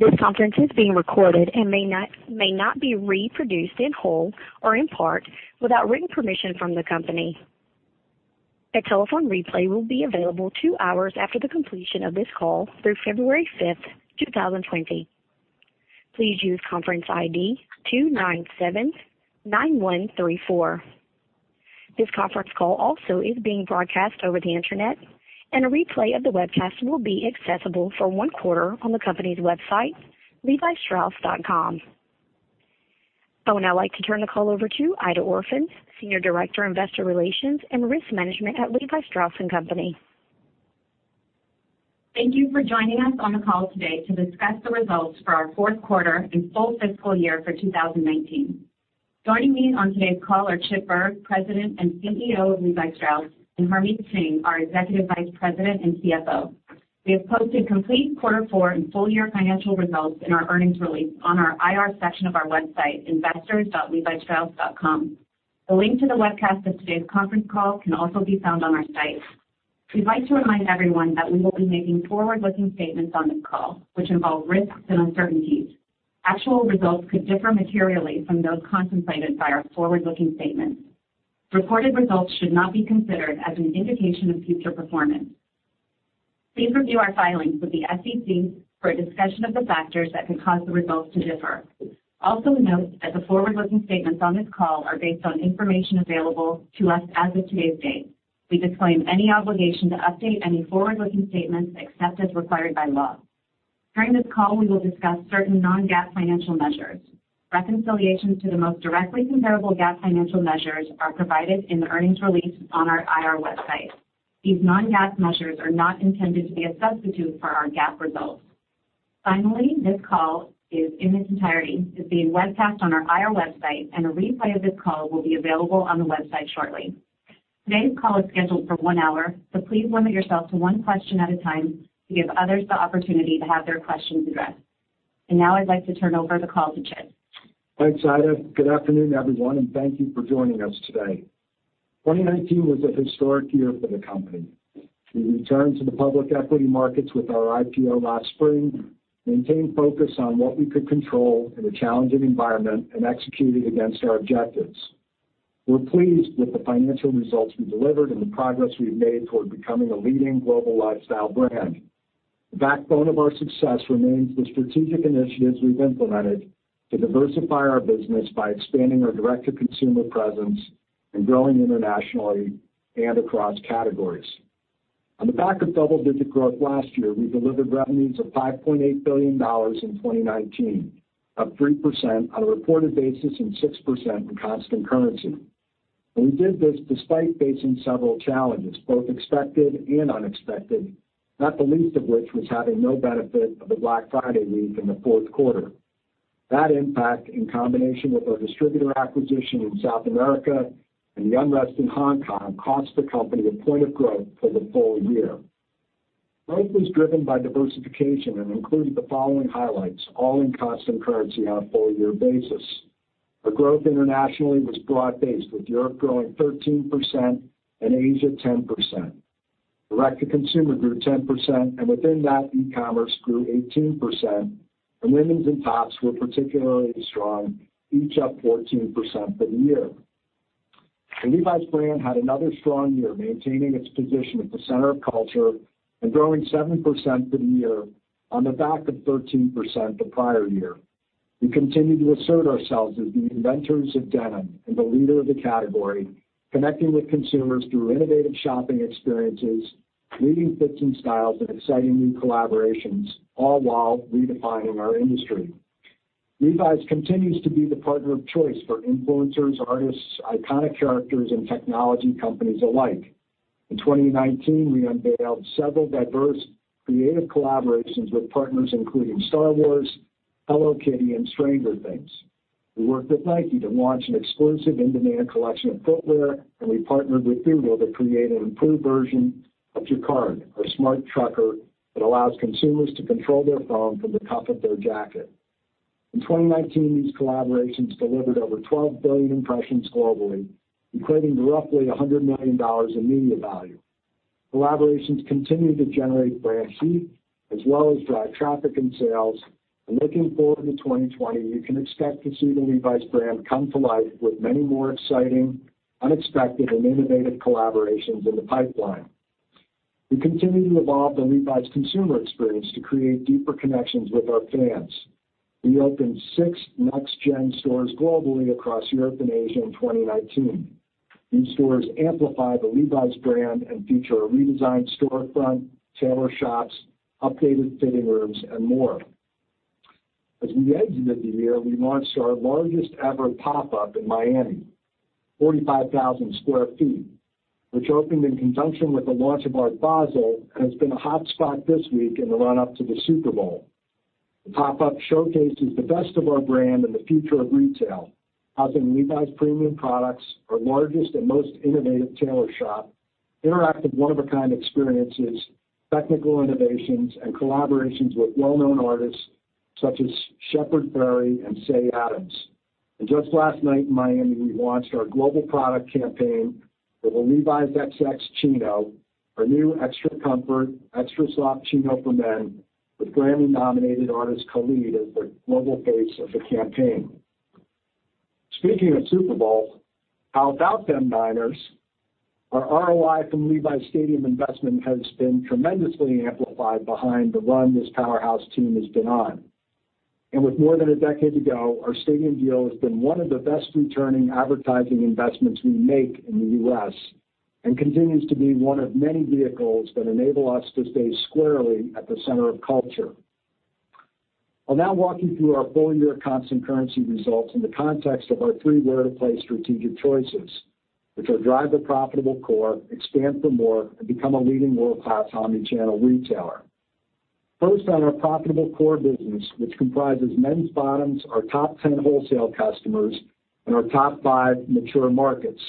This conference is being recorded and may not be reproduced in whole or in part without written permission from the company. A telephone replay will be available two hours after the completion of this call through February 5, 2020. Please use conference ID 2979134. This conference call also is being broadcast over the internet, and a replay of the webcast will be accessible for one quarter on the company's website, levistrauss.com. I would now like to turn the call over to Aida Orphan, Senior Director, Investor Relations and Risk Management at Levi Strauss & Co. Thank you for joining us on the call today to discuss the results for our fourth quarter and full fiscal year for 2019. Joining me on today's call are Chip Bergh, President and CEO of Levi Strauss, and Harmit Singh, our Executive Vice President and CFO. We have posted complete quarter four and full year financial results in our earnings release on our IR section of our website, investors.levistrauss.com. The link to the webcast of today's conference call can also be found on our site. We'd like to remind everyone that we will be making forward-looking statements on this call, which involve risks and uncertainties. Actual results could differ materially from those contemplated by our forward-looking statements. Reported results should not be considered as an indication of future performance. Please review our filings with the SEC for a discussion of the factors that could cause the results to differ. Also note that the forward-looking statements on this call are based on information available to us as of today's date. We disclaim any obligation to update any forward-looking statements except as required by law. During this call, we will discuss certain non-GAAP financial measures. Reconciliations to the most directly comparable GAAP financial measures are provided in the earnings release on our IR website. These non-GAAP measures are not intended to be a substitute for our GAAP results. Finally, this call, in its entirety, is being webcast on our IR website, and a replay of this call will be available on the website shortly. Today's call is scheduled for one hour, so please limit yourself to one question at a time to give others the opportunity to have their questions addressed. Now I'd like to turn over the call to Chip. Thanks, Aida. Good afternoon, everyone, and thank you for joining us today. 2019 was a historic year for the company. We returned to the public equity markets with our IPO last spring, maintained focus on what we could control in a challenging environment, and executed against our objectives. We're pleased with the financial results we delivered and the progress we've made toward becoming a leading global lifestyle brand. The backbone of our success remains the strategic initiatives we've implemented to diversify our business by expanding our direct-to-consumer presence and growing internationally and across categories. On the back of double-digit growth last year, we delivered revenues of $5.8 billion in 2019, up 3% on a reported basis and 6% in constant currency. We did this despite facing several challenges, both expected and unexpected, not the least of which was having no benefit of a Black Friday week in the fourth quarter. That impact, in combination with our distributor acquisition in South America and the unrest in Hong Kong, cost the company a point of growth for the full year. Growth was driven by diversification and included the following highlights, all in constant currency on a full-year basis. Our growth internationally was broad-based, with Europe growing 13% and Asia 10%. Direct-to-consumer grew 10%, and within that, e-commerce grew 18%, and womens and tops were particularly strong, each up 14% for the year. The Levi's brand had another strong year, maintaining its position at the center of culture and growing 7% for the year on the back of 13% the prior year. We continue to assert ourselves as the inventors of denim and the leader of the category, connecting with consumers through innovative shopping experiences, leading fits and styles, and exciting new collaborations, all while redefining our industry. Levi's continues to be the partner of choice for influencers, artists, iconic characters, and technology companies alike. In 2019, we unveiled several diverse creative collaborations with partners including Star Wars, Hello Kitty, and Stranger Things. We worked with Nike to launch an exclusive in-demand collection of footwear, and we partnered with Google to create an improved version of Jacquard, our smart trucker that allows consumers to control their phone from the cuff of their jacket. In 2019, these collaborations delivered over 12 billion impressions globally, equating to roughly $100 million in media value. Collaborations continue to generate brand heat as well as drive traffic and sales. Looking forward to 2020, you can expect to see the Levi's brand come to life with many more exciting, unexpected, and innovative collaborations in the pipeline. We continue to evolve the Levi's consumer experience to create deeper connections with our fans. We opened six next-gen stores globally across Europe and Asia in 2019. These stores amplify the Levi's brand and feature a redesigned storefront, tailor shops, updated fitting rooms, and more. As we exited the year, we launched our largest-ever pop-up in Miami, 45,000 square feet, which opened in conjunction with the launch of Art Basel and has been a hotspot this week in the run-up to the Super Bowl. The pop-up showcases the best of our brand and the future of retail, housing Levi's premium products, our largest and most innovative tailor shop, interactive one-of-a-kind experiences, technical innovations, and collaborations with well-known artists such as Shepard Fairey and Cey Adams. Just last night in Miami, we launched our global product campaign for the Levi's XX Chino, our new extra comfort, extra soft chino for men, with Grammy-nominated artist Khalid as the global face of the campaign. Speaking of Super Bowl, how about them Niners? Our ROI from Levi's Stadium investment has been tremendously amplified behind the run this powerhouse team has been on. With more than a decade to go, our stadium deal has been one of the best returning advertising investments we make in the U.S., and continues to be one of many vehicles that enable us to stay squarely at the center of culture. I'll now walk you through our full year constant currency results in the context of our three where-to-play strategic choices, which are drive the profitable core, expand for more, and become a leading world-class omni-channel retailer. First on our profitable core business, which comprises men's bottoms, our top 10 wholesale customers, and our top five mature markets.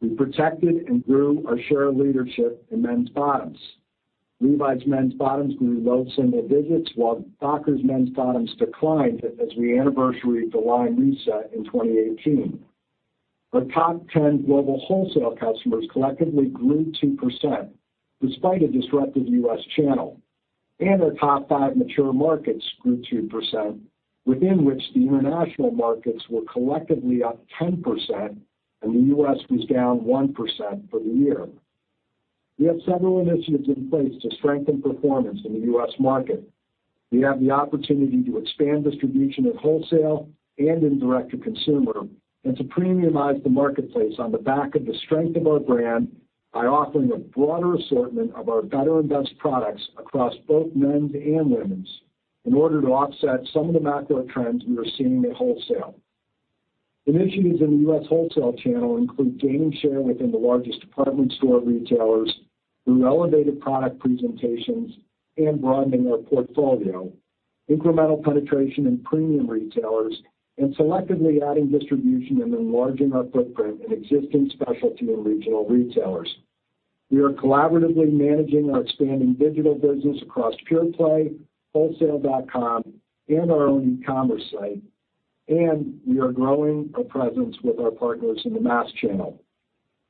We protected and grew our share of leadership in men's bottoms. Levi's men's bottoms grew low single digits, while Dockers men's bottoms declined as we anniversaried the line reset in 2018. Our top 10 global wholesale customers collectively grew 2%, despite a disruptive U.S. channel, and our top five mature markets grew 2%, within which the international markets were collectively up 10%, and the U.S. was down 1% for the year. We have several initiatives in place to strengthen performance in the U.S. market. We have the opportunity to expand distribution in wholesale and in direct-to-consumer, and to premiumize the marketplace on the back of the strength of our brand by offering a broader assortment of our better and best products across both men's and women's in order to offset some of the macro trends we are seeing at wholesale. Initiatives in the U.S. wholesale channel include gaining share within the largest department store retailers through elevated product presentations and broadening our portfolio, incremental penetration in premium retailers, and selectively adding distribution and enlarging our footprint in existing specialty and regional retailers. We are collaboratively managing our expanding digital business across pure play, wholesale.com, and our own e-commerce site, and we are growing a presence with our partners in the mass channel.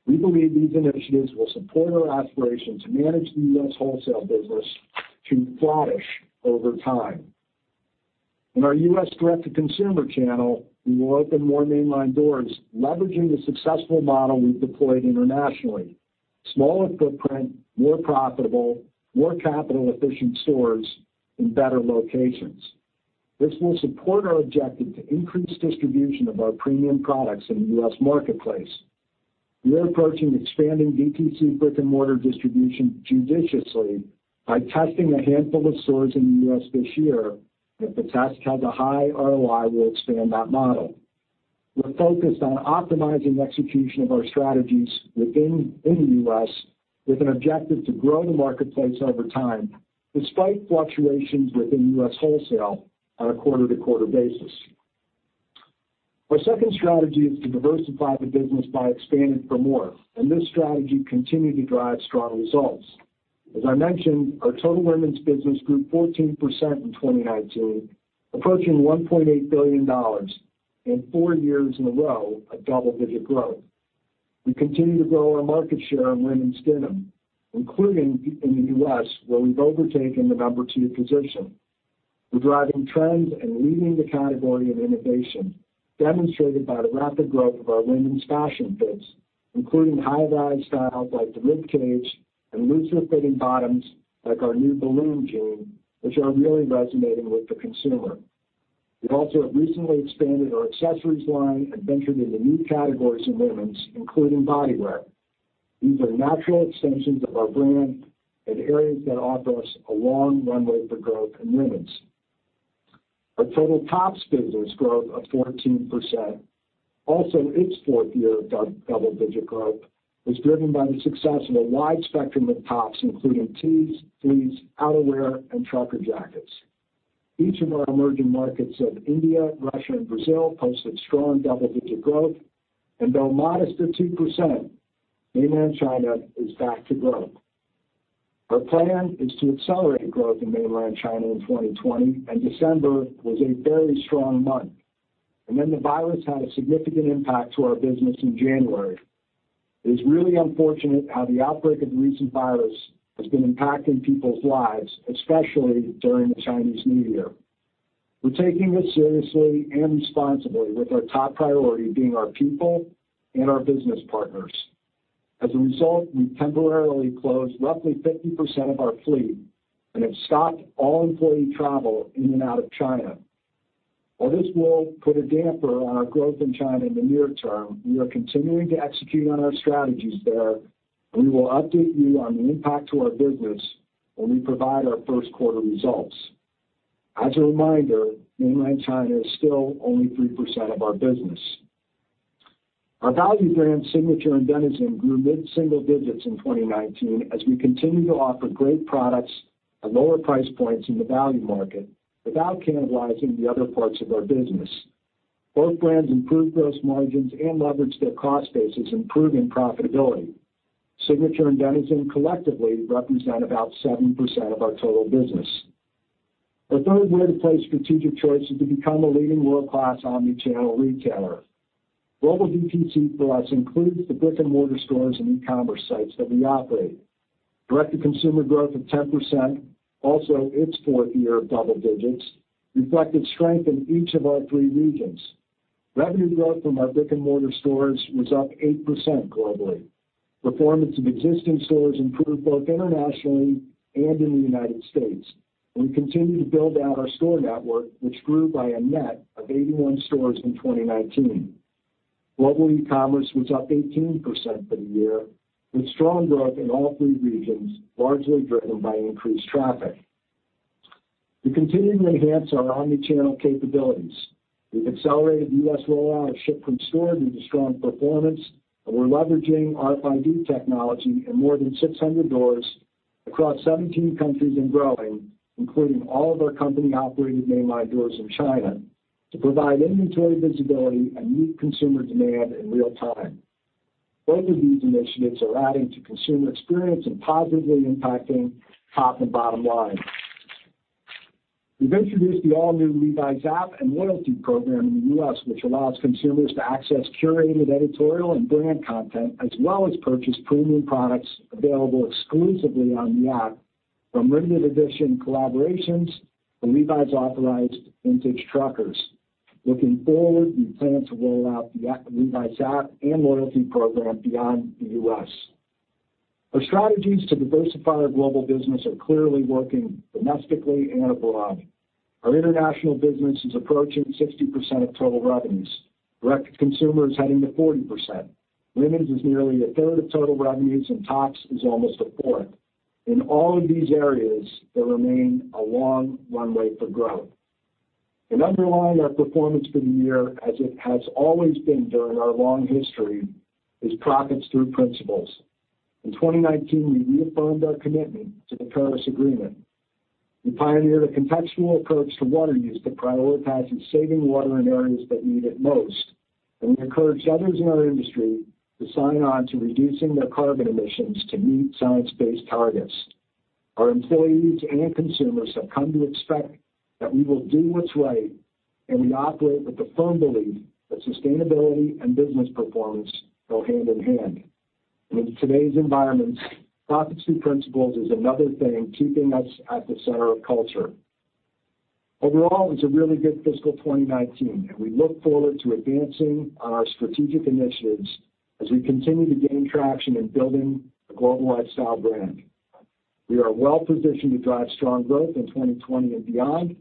We believe these initiatives will support our aspiration to manage the U.S. wholesale business to flourish over time. In our U.S. direct-to-consumer channel, we will open more mainline doors, leveraging the successful model we've deployed internationally. Smaller footprint, more profitable, more capital efficient stores, and better locations. This will support our objective to increase distribution of our premium products in the U.S. marketplace. We're approaching expanding DTC brick and mortar distribution judiciously by testing a handful of stores in the U.S. this year. If the test has a high ROI, we'll expand that model. We're focused on optimizing execution of our strategies within the U.S. with an objective to grow the marketplace over time, despite fluctuations within U.S. wholesale on a quarter-to-quarter basis. Our second strategy is to diversify the business by expanding for more. This strategy continued to drive strong results. As I mentioned, our total women's business grew 14% in 2019, approaching $1.8 billion, and four years in a row of double-digit growth. We continue to grow our market share in women's denim, including in the U.S., where we've overtaken the number two position. We're driving trends and leading the category in innovation, demonstrated by the rapid growth of our women's fashion fits, including high rise styles like the Ribcage and looser fitting bottoms like our new Balloon Jean, which are really resonating with the consumer. We also have recently expanded our accessories line and ventured into new categories in women's, including body wear. These are natural extensions of our brand and areas that offer us a long runway for growth in women's. Our total tops business growth of 14%, also its fourth year of double-digit growth, was driven by the success of a wide spectrum of tops, including tees, fleeces, outerwear, and trucker jackets. Each of our emerging markets of India, Russia, and Brazil posted strong double-digit growth. Though modest at 2%, Mainland China is back to growth. Our plan is to accelerate growth in Mainland China in 2020, and December was a very strong month. The virus had a significant impact to our business in January. It is really unfortunate how the outbreak of the recent virus has been impacting people's lives, especially during the Chinese New Year. We're taking this seriously and responsibly, with our top priority being our people and our business partners. As a result, we temporarily closed roughly 50% of our fleet and have stopped all employee travel in and out of China. While this will put a damper on our growth in China in the near term, we are continuing to execute on our strategies there, and we will update you on the impact to our business when we provide our first quarter results. As a reminder, Mainland China is still only 3% of our business. Our value brands, Signature and Denizen, grew mid-single digits in 2019 as we continue to offer great products at lower price points in the value market without cannibalizing the other parts of our business. Both brands improved gross margins and leveraged their cost bases, improving profitability. Signature and Denizen collectively represent about 7% of our total business. Our third way to play strategic choice is to become a leading world-class omni-channel retailer. Global DTC Plus includes the brick-and-mortar stores and e-commerce sites that we operate. Direct-to-consumer growth of 10%, also its fourth year of double digits, reflected strength in each of our three regions. Revenue growth from our brick-and-mortar stores was up 8% globally. Performance of existing stores improved both internationally and in the United States. We continue to build out our store network, which grew by a net of 81 stores in 2019. Global e-commerce was up 18% for the year, with strong growth in all three regions, largely driven by increased traffic. We continue to enhance our omni-channel capabilities. We've accelerated US rollout of ship from store due to strong performance, and we're leveraging RFID technology in more than 600 doors across 17 countries and growing, including all of our company-operated mainline doors in China, to provide inventory visibility and meet consumer demand in real time. Both of these initiatives are adding to consumer experience and positively impacting top and bottom line. We've introduced the all-new Levi's App and loyalty program in the U.S., which allows consumers to access curated editorial and brand content, as well as purchase premium products available exclusively on the app, from limited edition collaborations to Levi's authorized vintage truckers. Looking forward, we plan to roll out the Levi's App and loyalty program beyond the U.S. Our strategies to diversify our global business are clearly working domestically and abroad. Our international business is approaching 60% of total revenues. Direct consumer is heading to 40%. Vintage is nearly a third of total revenues, tops is almost a fourth. In all of these areas, there remain a long runway for growth. Underlying our performance for the year, as it has always been during our long history, is profits through principles. In 2019, we reaffirmed our commitment to the Paris Agreement. We pioneered a contextual approach to water use that prioritizes saving water in areas that need it most. We encouraged others in our industry to sign on to reducing their carbon emissions to meet science-based targets. Our employees and consumers have come to expect that we will do what's right, and we operate with the firm belief that sustainability and business performance go hand in hand. In today's environment, profits through principles is another thing keeping us at the center of culture. Overall, it's a really good fiscal 2019, and we look forward to advancing on our strategic initiatives as we continue to gain traction in building a global lifestyle brand. We are well positioned to drive strong growth in 2020 and beyond.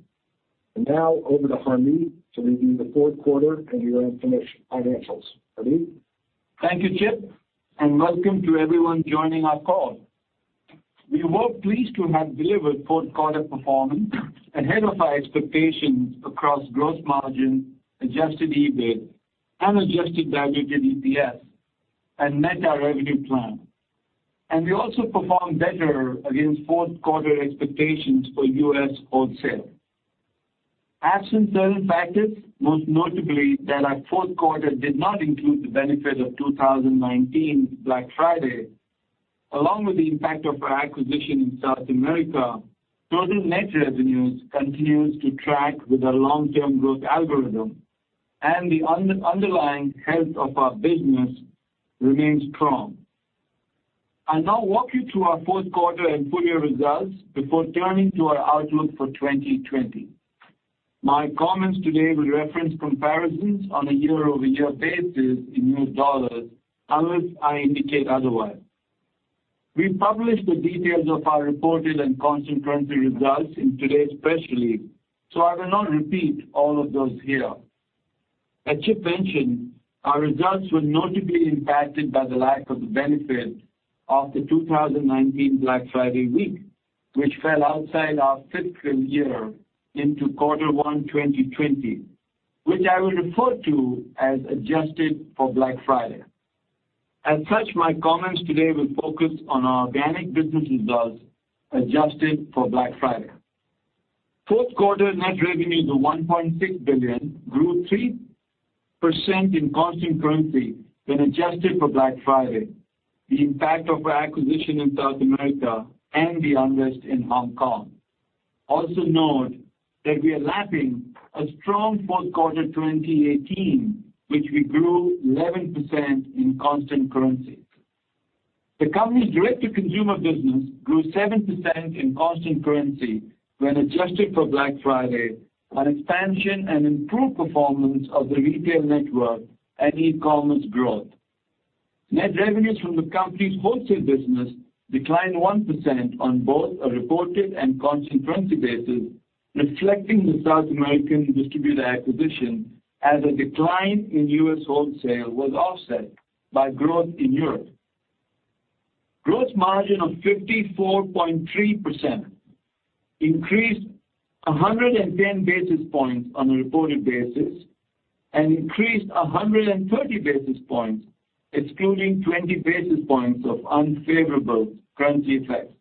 Now over to Harmit to review the fourth quarter and year-end financials. Harmit? Thank you, Chip. Welcome to everyone joining our call. We were pleased to have delivered fourth quarter performance ahead of our expectations across gross margin, adjusted EBIT, and adjusted diluted EPS, and met our revenue plan. We also performed better against fourth quarter expectations for U.S. wholesale. Absent certain factors, most notably that our fourth quarter did not include the benefit of 2019 Black Friday, along with the impact of our acquisition in South America, total net revenues continues to track with our long-term growth algorithm, and the underlying health of our business remains strong. I'll now walk you through our fourth quarter and full year results before turning to our outlook for 2020. My comments today will reference comparisons on a year-over-year basis in U.S. dollars unless I indicate otherwise. We published the details of our reported and constant currency results in today's press release. I will not repeat all of those here. As Chip mentioned, our results were notably impacted by the lack of the benefit of the 2019 Black Friday week, which fell outside our fiscal year into quarter one 2020, which I will refer to as adjusted for Black Friday. As such, my comments today will focus on our organic business results adjusted for Black Friday. Fourth quarter net revenues of $1.6 billion grew 3% in constant currency when adjusted for Black Friday, the impact of our acquisition in South America, and the unrest in Hong Kong. Also note that we are lapping a strong fourth quarter 2018, which we grew 11% in constant currency. The company's direct-to-consumer business grew 7% in constant currency when adjusted for Black Friday on expansion and improved performance of the retail network and e-commerce growth. Net revenues from the company's wholesale business declined 1% on both a reported and constant currency basis, reflecting the South American distributor acquisition as a decline in U.S. wholesale was offset by growth in Europe. Gross margin of 54.3% increased 110 basis points on a reported basis and increased 130 basis points excluding 20 basis points of unfavorable currency effects.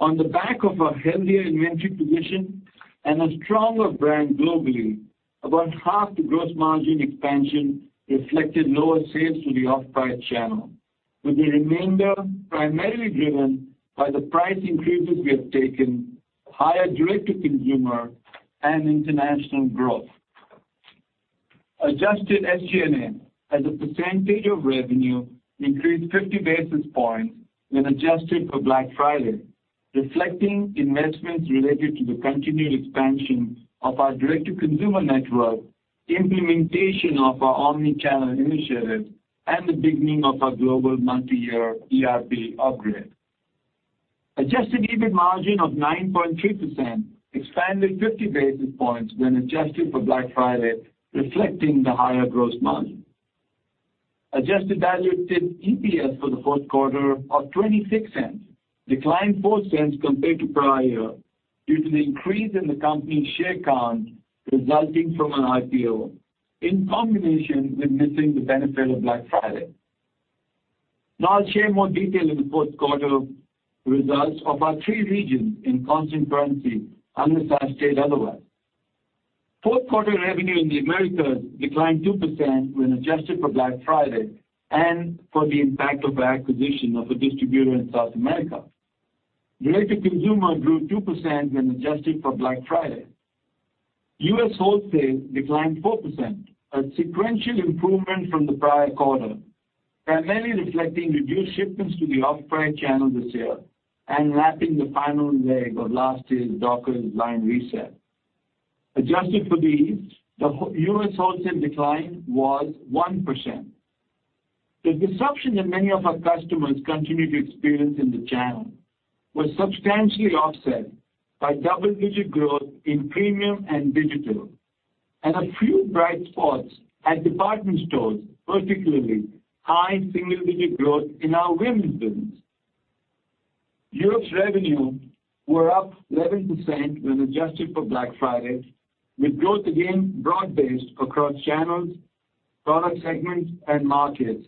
On the back of a healthier inventory position and a stronger brand globally, about half the gross margin expansion reflected lower sales to the off-price channel. With the remainder primarily driven by the price increases we have taken, higher direct-to-consumer and international growth. Adjusted SG&A as a percentage of revenue increased 50 basis points when adjusted for Black Friday, reflecting investments related to the continued expansion of our direct-to-consumer network, the implementation of our omni-channel initiative, and the beginning of our global multi-year ERP upgrade. Adjusted EBIT margin of 9.3%, expanded 50 basis points when adjusted for Black Friday, reflecting the higher gross margin. Adjusted diluted EPS for the fourth quarter of $0.26, declined $0.04 compared to prior year due to the increase in the company's share count resulting from an IPO, in combination with missing the benefit of Black Friday. Now I'll share more detail in the fourth quarter results of our three regions in constant currency, unless I state otherwise. Fourth quarter revenue in the Americas declined 2% when adjusted for Black Friday and for the impact of our acquisition of a distributor in South America. Direct-to-consumer grew 2% when adjusted for Black Friday. U.S. wholesale declined 4%, a sequential improvement from the prior quarter, primarily reflecting reduced shipments to the off-price channel this year and lapping the final leg of last year's Dockers line reset. Adjusted for these, the U.S. wholesale decline was 1%. The disruption that many of our customers continue to experience in the channel was substantially offset by double-digit growth in premium and digital, and a few bright spots at department stores, particularly high single-digit growth in our women's business. Europe's revenue were up 11% when adjusted for Black Friday, with growth again broad-based across channels, product segments, and markets.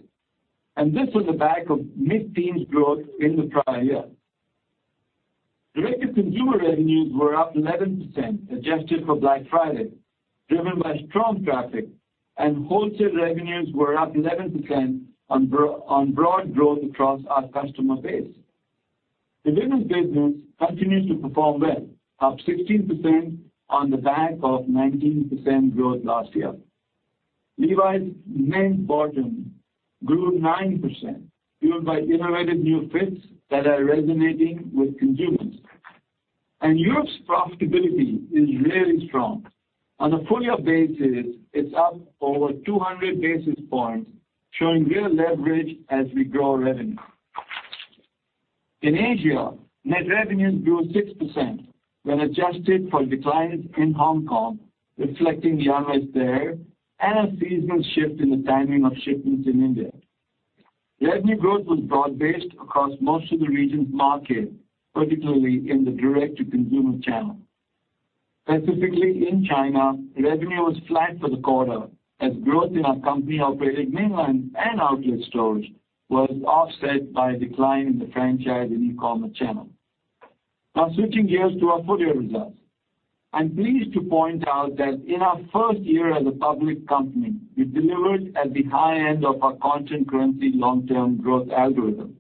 This on the back of mid-teens growth in the prior year. Direct-to-consumer revenues were up 11%, adjusted for Black Friday, driven by strong traffic and wholesale revenues were up 11% on broad growth across our customer base. The women's business continues to perform well, up 16% on the back of 19% growth last year. Levi's men's bottom grew 9%, fueled by innovative new fits that are resonating with consumers. Europe's profitability is really strong. On a full-year basis, it's up over 200 basis points, showing real leverage as we grow revenue. In Asia, net revenues grew 6% when adjusted for declines in Hong Kong, reflecting the unrest there and a seasonal shift in the timing of shipments in India. Revenue growth was broad-based across most of the region's markets, particularly in the direct-to-consumer channel. Specifically in China, revenue was flat for the quarter, as growth in our company-operated mainland and outlet stores was offset by a decline in the franchise and e-commerce channel. Switching gears to our full year results. I'm pleased to point out that in our 1st year as a public company, we delivered at the high end of our constant currency long-term growth algorithm.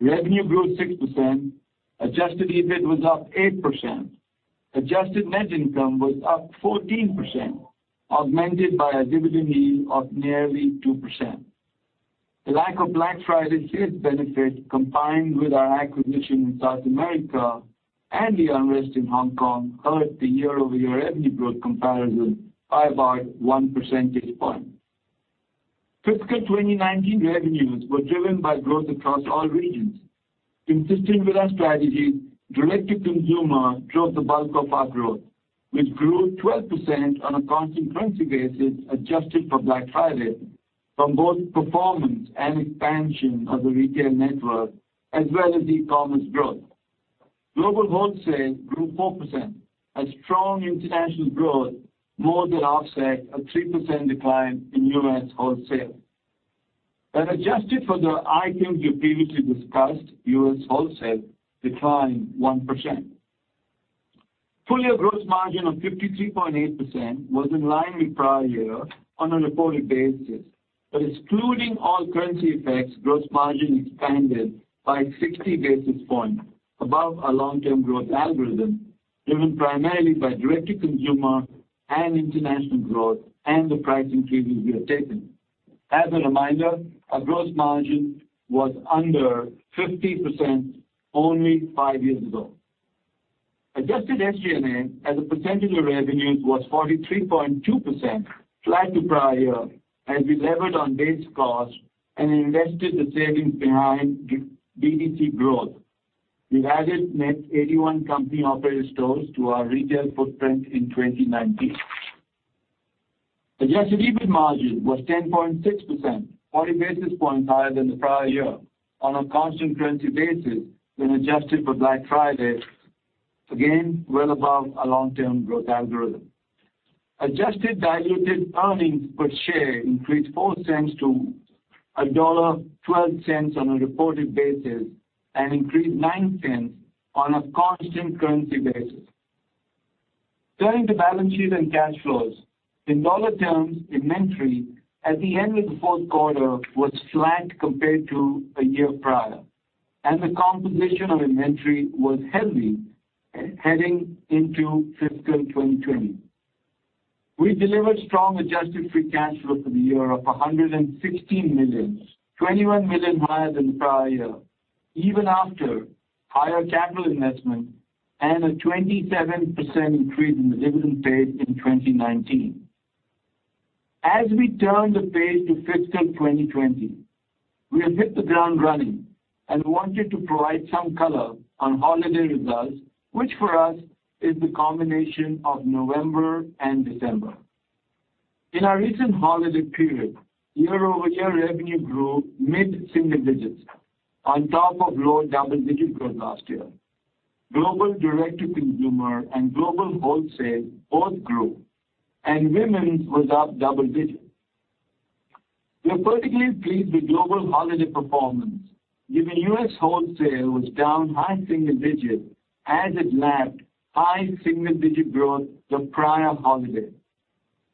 Revenue grew 6%, Adjusted EBIT was up 8%, adjusted net income was up 14%, augmented by a dividend yield of nearly 2%. The lack of Black Friday sales benefit, combined with our acquisition in South America and the unrest in Hong Kong, hurt the year-over-year revenue growth comparison by about one percentage point. Fiscal 2019 revenues were driven by growth across all regions. Consistent with our strategy, direct-to-consumer drove the bulk of our growth, which grew 12% on a constant currency basis adjusted for Black Friday from both performance and expansion of the retail network, as well as e-commerce growth. Global wholesale grew 4% as strong international growth more than offset a 3% decline in U.S. wholesale. Adjusted for the items we previously discussed, U.S. wholesale declined 1%. Full year gross margin of 53.8% was in line with prior year on a reported basis. Excluding all currency effects, gross margin expanded by 60 basis points above our long-term growth algorithm, driven primarily by direct-to-consumer and international growth, and the price increases we have taken. As a reminder, our gross margin was under 50% only five years ago. Adjusted SG&A as a percentage of revenue was 43.2%, flat to prior year as we levered on base cost and invested the savings behind D2C growth. We added net 81 company-operated stores to our retail footprint in 2019. Adjusted EBIT margin was 10.6%, 40 basis points higher than the prior year on a constant currency basis when adjusted for Black Friday. Again, well above our long-term growth algorithm. Adjusted diluted earnings per share increased $0.04 to $1.12 on a reported basis and increased $0.09 on a constant currency basis. Turning to balance sheet and cash flows. In dollar terms, inventory at the end of the fourth quarter was flat compared to a year prior, and the composition of inventory was heavy heading into fiscal 2020. We delivered strong adjusted free cash flow for the year of $116 million, $21 million higher than the prior year, even after higher capital investment and a 27% increase in the dividend paid in 2019. As we turn the page to fiscal 2020, we have hit the ground running and wanted to provide some color on holiday results, which for us is the combination of November and December. In our recent holiday period, year-over-year revenue grew mid-single digits on top of low double-digit growth last year. Global direct to consumer and global wholesale both grew, and women's was up double digits. We are particularly pleased with global holiday performance, given U.S. wholesale was down high single digits as it lapped high single digit growth the prior holiday,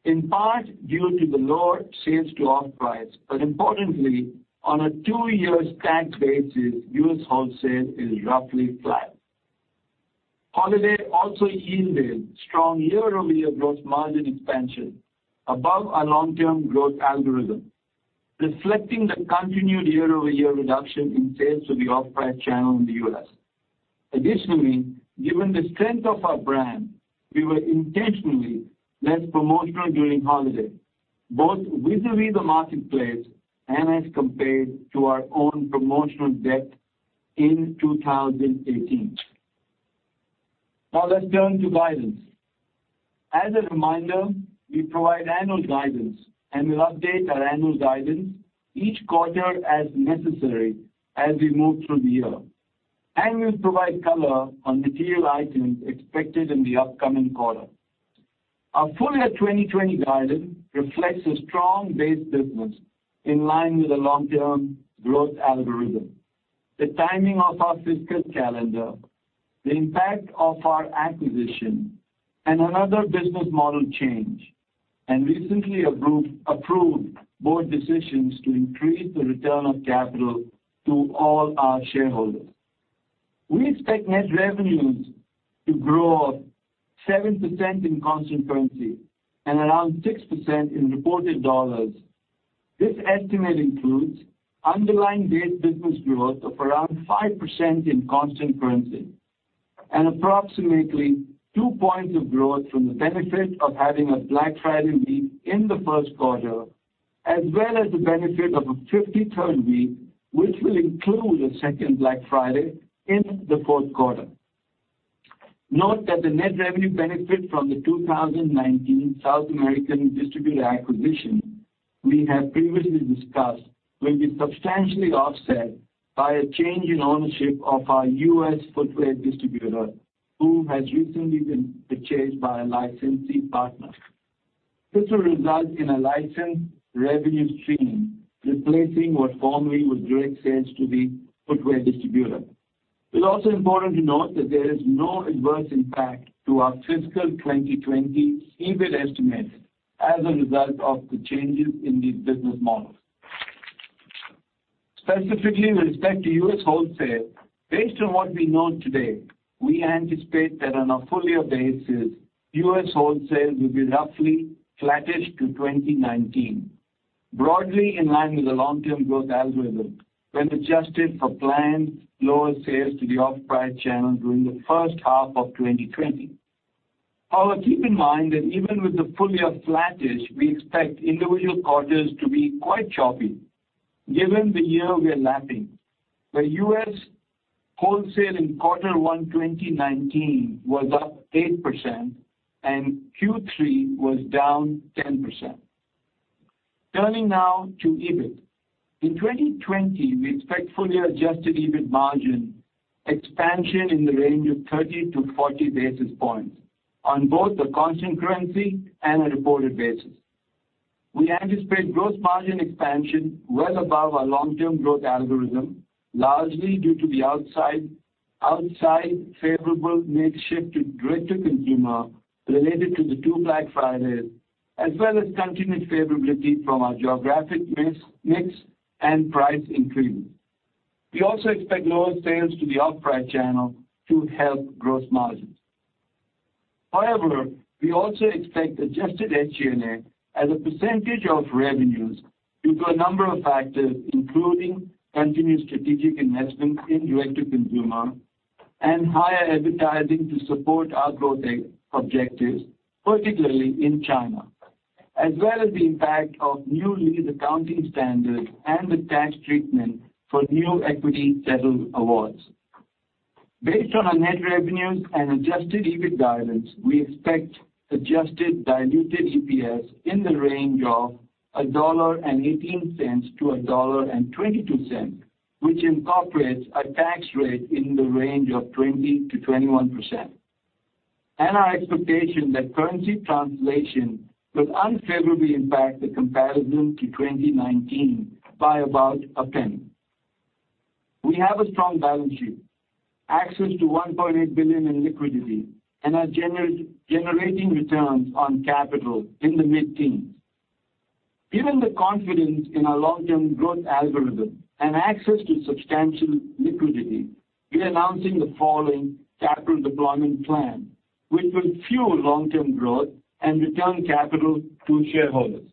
in part due to the lower sales to off-price, but importantly, on a two-year stacked basis, U.S. wholesale is roughly flat. Holiday also yielded strong year-over-year gross margin expansion above our long-term growth algorithm, reflecting the continued year-over-year reduction in sales to the off-price channel in the U.S. Given the strength of our brand, we were intentionally less promotional during holiday, both vis-a-vis the marketplace and as compared to our own promotional debt in 2018. Let's turn to guidance. As a reminder, we provide annual guidance, and we update our annual guidance each quarter as necessary as we move through the year, and we provide color on material items expected in the upcoming quarter. Our full year 2020 guidance reflects a strong base business in line with the long-term growth algorithm, the timing of our fiscal calendar, the impact of our acquisition and another business model change, and recently approved board decisions to increase the return of capital to all our shareholders. We expect net revenues to grow 7% in constant currency and around 6% in reported dollars. This estimate includes underlying base business growth of around 5% in constant currency and approximately two points of growth from the benefit of having a Black Friday week in the first quarter, as well as the benefit of a 53rd week, which will include a second Black Friday in the fourth quarter. Note that the net revenue benefit from the 2019 South American distributor acquisition we have previously discussed will be substantially offset by a change in ownership of our U.S. footwear distributor, who has recently been purchased by a licensee partner. This will result in a licensed revenue stream, replacing what formerly was direct sales to the footwear distributor. It is also important to note that there is no adverse impact to our fiscal 2020 EBIT estimates as a result of the changes in these business models. Specifically with respect to U.S. wholesale, based on what we know today, we anticipate that on a full year basis, U.S. wholesale will be roughly flattish to 2019, broadly in line with the long-term growth algorithm when adjusted for planned lower sales to the off-price channel during the first half of 2020. Keep in mind that even with the full year flattish, we expect individual quarters to be quite choppy given the year we are lapping. The U.S. wholesale in quarter one 2019 was up 8% and Q3 was down 10%. Turning now to EBIT. In 2020, we expect full year Adjusted EBIT margin expansion in the range of 30-40 basis points on both the constant currency and a reported basis. We anticipate gross margin expansion well above our long-term growth algorithm, largely due to the outsize favorable mix shift to direct-to-consumer related to the two Black Fridays, as well as continued favorability from our geographic mix and price increases. We also expect lower sales to the off-price channel to help gross margins. However, we also expect Adjusted SG&A as a percentage of revenues due to a number of factors, including continued strategic investments in direct-to-consumer and higher advertising to support our growth objectives, particularly in China, as well as the impact of new lease accounting standards and the tax treatment for new equity-settled awards. Based on our net revenues and Adjusted EBIT guidance, we expect Adjusted diluted EPS in the range of $1.18-$1.22, which incorporates a tax rate in the range of 20%-21%. Our expectation that currency translation will unfavorably impact the comparison to 2019 by about $0.01. We have a strong balance sheet, access to $1.8 billion in liquidity and are generating returns on capital in the mid-teens. Given the confidence in our long-term growth algorithm and access to substantial liquidity, we're announcing the following capital deployment plan, which will fuel long-term growth and return capital to shareholders.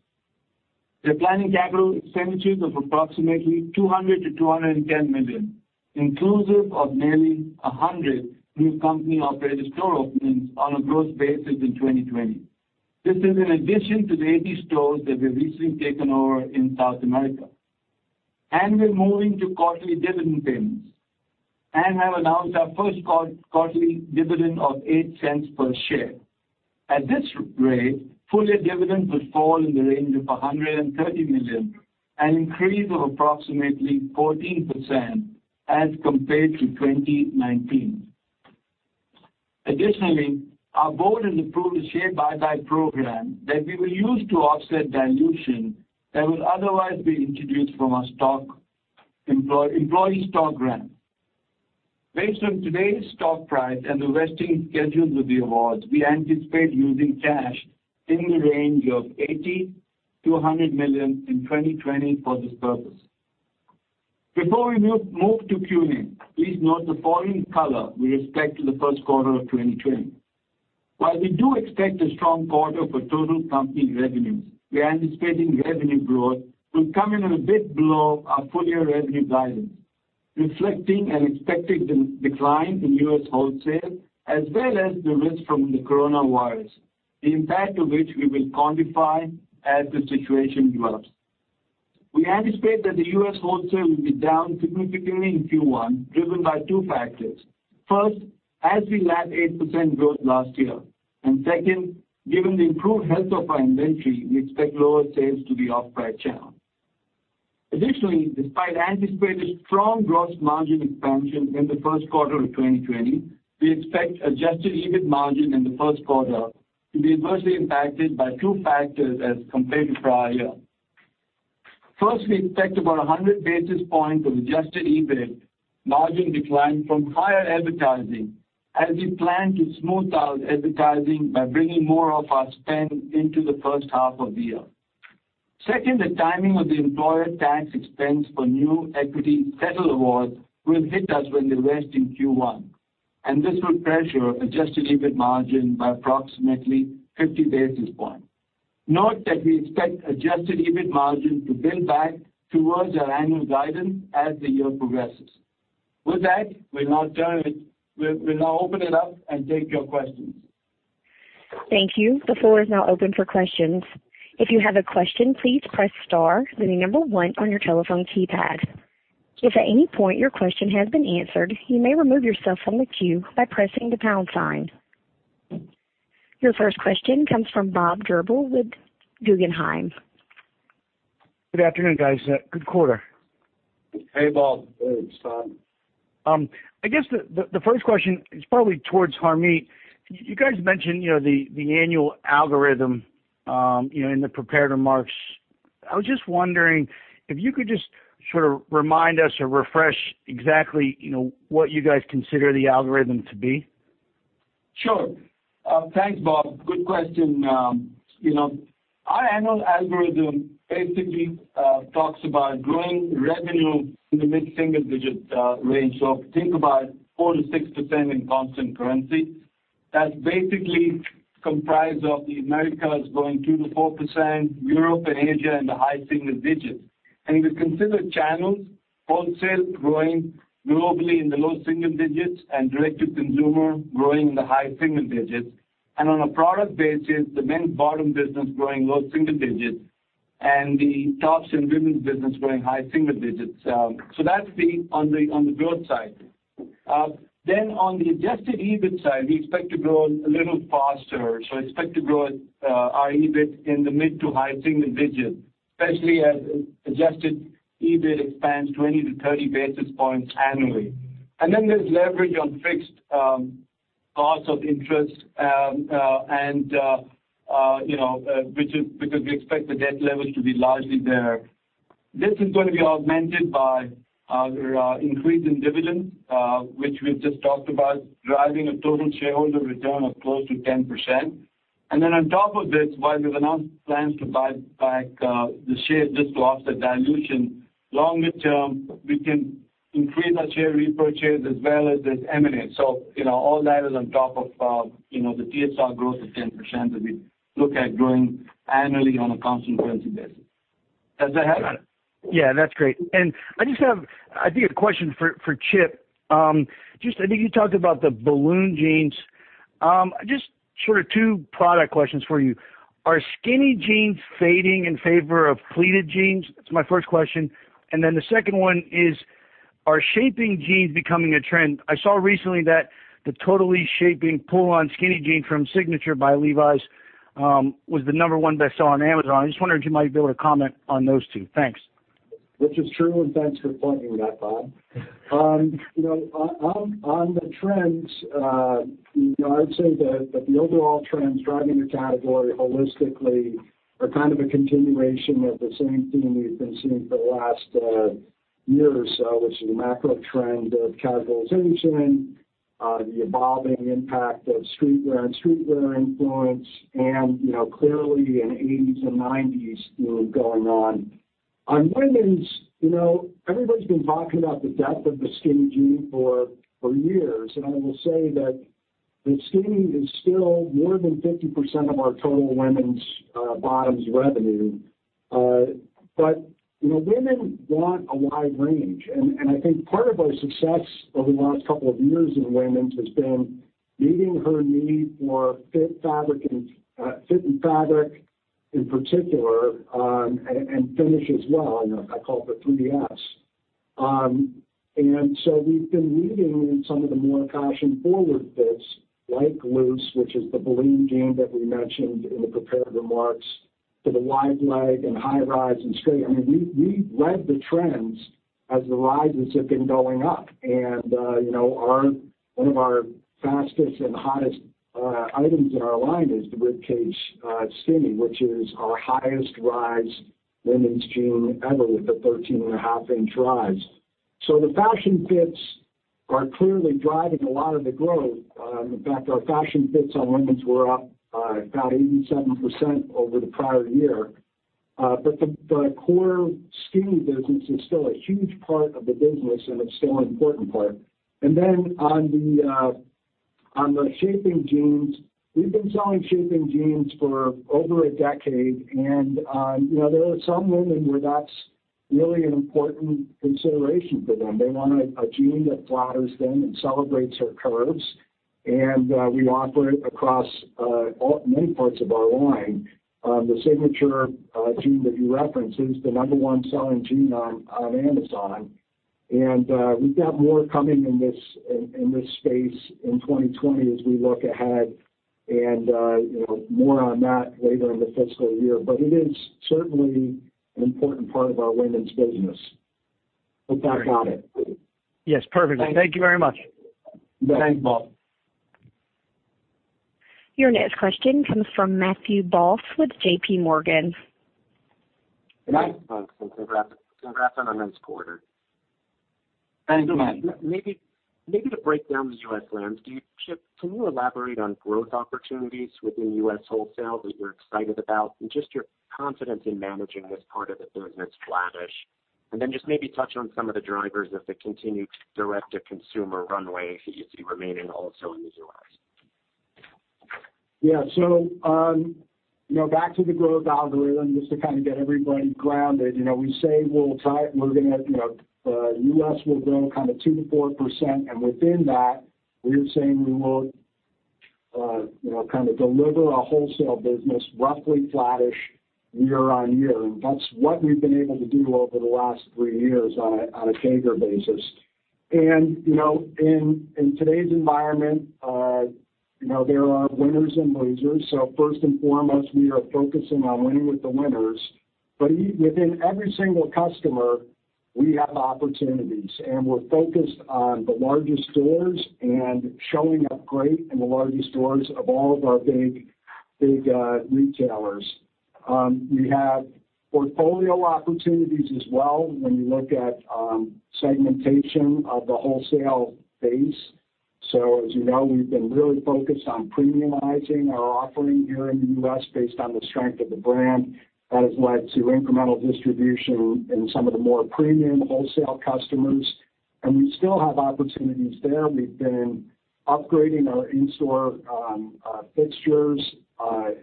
We're planning capital expenditures of approximately $200 million-$210 million, inclusive of nearly 100 new company operated store openings on a gross basis in 2020. This is in addition to the 80 stores that we've recently taken over in South America. We're moving to quarterly dividend payments and have announced our first quarterly dividend of $0.08 per share. At this rate, full-year dividends will fall in the range of $130 million, an increase of approximately 14% as compared to 2019. Additionally, our board has approved a share buyback program that we will use to offset dilution that will otherwise be introduced from our employee stock grant. Based on today's stock price and the vesting schedules of the awards, we anticipate using cash in the range of $80 million-$100 million in 2020 for this purpose. Before we move to Q&A, please note the following color with respect to the first quarter of 2020. While we do expect a strong quarter for total company revenues, we are anticipating revenue growth will come in a bit below our full-year revenue guidance, reflecting an expected decline in U.S. wholesale as well as the risk from the coronavirus, the impact of which we will quantify as the situation develops. We anticipate that the U.S. wholesale will be down significantly in Q1, driven by two factors. First, as we lap 8% growth last year, and second, given the improved health of our inventory, we expect lower sales to the off-price channel. Despite anticipated strong gross margin expansion in the first quarter of 2020, we expect Adjusted EBIT margin in the first quarter to be adversely impacted by two factors as compared to prior year. First, we expect about 100 basis points of Adjusted EBIT margin decline from higher advertising as we plan to smooth out advertising by bringing more of our spend into the first half of the year. Second, the timing of the employer tax expense for new equity-settle awards will hit us when they vest in Q1, this will pressure Adjusted EBIT margin by approximately 50 basis points. Note that we expect Adjusted EBIT margin to build back towards our annual guidance as the year progresses. With that, we'll now open it up and take your questions. Thank you. The floor is now open for questions. If you have a question, please press star then the number one on your telephone keypad. If at any point your question has been answered, you may remove yourself from the queue by pressing the pound sign. Your first question comes from Bob Drbul with Guggenheim. Good afternoon, guys. Good quarter. Hey, Bob. [Thanks Bob]. The first question is probably towards Harmit. You guys mentioned the annual algorithm in the prepared remarks. I was just wondering if you could just sort of remind us or refresh exactly what you guys consider the algorithm to be. Sure. Thanks, Bob. Good question. Our annual algorithm basically talks about growing revenue in the mid-single-digit range. Think about 4%-6% in constant currency. That's basically comprised of the Americas growing 2%-4%, Europe and Asia in the high-single-digits. If you consider channels, wholesale is growing globally in the low-single-digits and direct to consumer growing in the high-single-digits. On a product basis, the men's bottom business growing low-single-digits and the tops and women's business growing high-single-digits. That's on the growth side. On the Adjusted EBIT side, we expect to grow a little faster. We expect to grow our EBIT in the mid-to-high-single-digits, especially as Adjusted EBIT expands 20-30 basis points annually. There's leverage on fixed costs of interest, because we expect the debt levels to be largely there. This is going to be augmented by our increase in dividends which we've just talked about, driving a total shareholder return of close to 10%. On top of this, while we've announced plans to buy back the shares just to offset dilution, longer term, we can increase our share repurchase as well as M&A. All that is on top of the TSR growth of 10% that we look at growing annually on a constant currency basis. Does that help? Yeah, that's great. I just have, I think, a question for Chip. I think you talked about the Balloon Jean. Just sort of two product questions for you. Are skinny jeans fading in favor of pleated jeans? That's my first question. Then the second one is, are shaping jeans becoming a trend? I saw recently that the Totally Shaping pull-on skinny jean from Signature by Levi Strauss & Co. was the number one best-seller on Amazon. I just wondered if you might be able to comment on those two. Thanks. Which is true. Thanks for pointing that out, Bob. On the trends, I'd say that the overall trends driving the category holistically are kind of a continuation of the same theme we've been seeing for the last year or so, which is a macro trend of casualization, the evolving impact of streetwear and streetwear influence, and clearly an '80s and '90s mood going on. On women's, everybody's been talking about the death of the skinny jean for years. I will say that the skinny is still more than 50% of our total women's bottoms revenue. Women want a wide range. I think part of our success over the last couple of years in women's has been meeting her need for fit and fabric in particular, and finish as well. I call it the three Fs. We've been leading in some of the more fashion-forward fits like loose, which is the Balloon Jean that we mentioned in the prepared remarks, to the wide leg and high rise and straight. We've read the trends as the rises have been going up. One of our fastest and hottest items in our line is the Ribcage skinny, which is our highest rise women's jean ever with a 13.5-inch rise. The fashion fits are clearly driving a lot of the growth. In fact, our fashion fits on women's were up about 87% over the prior year. The core skinny business is still a huge part of the business, and it's still an important part. On the shaping jeans, we've been selling shaping jeans for over a decade. There are some women where that's really an important consideration for them. They want a jean that flatters them and celebrates their curves. We offer it across many parts of our line. The Signature jean that you referenced is the number one selling jean on Amazon. We've got more coming in this space in 2020 as we look ahead and more on that later in the fiscal year. It is certainly an important part of our women's business. Hope that got it. Yes, perfect. Thank you very much. Thanks, Bob. Your next question comes from Matthew Boss with JPMorgan. Good afternoon, folks, and congrats on a nice quarter. Thanks, Matt. Maybe to break down the U.S. plans, Chip, can you elaborate on growth opportunities within U.S. wholesale that you're excited about and just your confidence in managing this part of the business flattish? Then just maybe touch on some of the drivers of the continued direct-to-consumer runway that you see remaining also in the U.S. Yeah. Back to the growth algorithm, just to get everybody grounded. We say Americas will grow 2%-4%, and within that, we're saying we will deliver a wholesale business roughly flattish year-on-year. That's what we've been able to do over the last three years on a favor basis. In today's environment, there are winners and losers. First and foremost, we are focusing on winning with the winners. Within every single customer, we have opportunities, and we're focused on the largest stores and showing up great in the largest stores of all of our big retailers. We have portfolio opportunities as well when you look at segmentation of the wholesale base. As you know, we've been really focused on premiumizing our offering here in the U.S. based on the strength of the brand. That has led to incremental distribution in some of the more premium wholesale customers, and we still have opportunities there. We've been upgrading our in-store fixtures